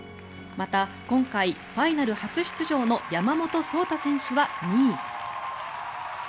また、今回ファイナル初出場の山本草太選手は２位。